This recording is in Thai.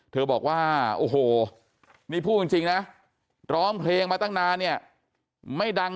เธอบอกว่าโอ้โหนี่พูดจริงนะร้องเพลงมาตั้งนานเนี่ยไม่ดัง